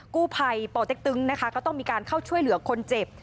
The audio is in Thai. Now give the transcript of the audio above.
กู้ภัยปเต็กตึงนะคะก็ต้องมีการเข้าช่วยเหลือคนเจ็บ